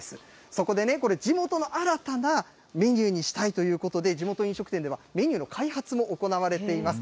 そこでね、これ、地元の新たなメニューにしたいということで、地元飲食店では、メニューの開発も行われています。